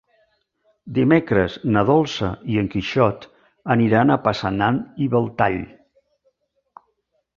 Dimecres na Dolça i en Quixot aniran a Passanant i Belltall.